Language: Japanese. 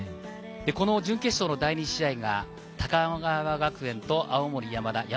この準決勝の第２試合が高川学園と青森山田。